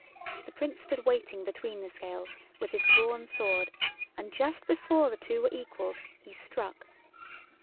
The Prince stood waiting between the scales with his drawn sword, and just before the two were equal he struck.